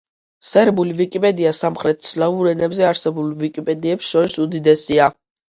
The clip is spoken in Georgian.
სერბული ვიკიპედია სამხრეთ სლავურ ენებზე არსებულ ვიკიპედიებს შორის უდიდესია.